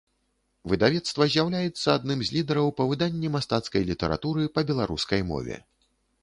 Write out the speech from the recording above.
Выдавецтва з'яўляецца адным з лідараў па выданні мастацкай літаратуры па беларускай мове.